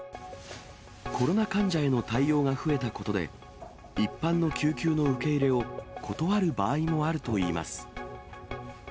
コロナ患者への対応が増えたことで、一般の救急の受け入れを断る場合もあるといいます。